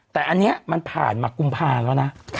แต่อันนี้มันผ่านมากุมภาแล้วนะ